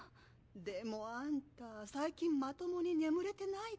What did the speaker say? でもあんた最近まともに眠れてないでしょ？